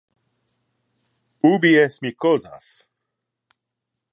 Ubi es mi cosas?